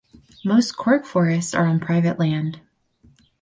Most cork forests are on private land.